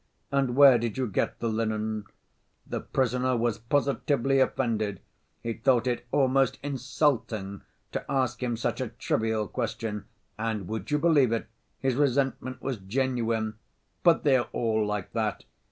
'And where did you get the linen?' The prisoner was positively offended, he thought it almost insulting to ask him such a trivial question, and would you believe it, his resentment was genuine! But they are all like that.